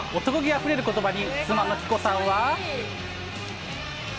その男気あふれることばに妻の貴子さんは。